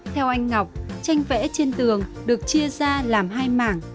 theo anh ngọc tranh vẽ trên tường được chia ra làm hai mảng